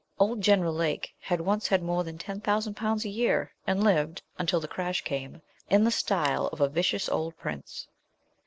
Old General Lake had once had more than ten thousand pounds a year, and lived, until the crash came, in the style of a vicious old prince.